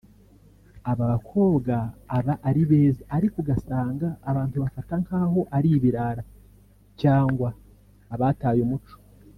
aba bakobwa aba ari beza ariko ugasanga abantu babafata nk’aho ari ibirara cyangwa abataye umuco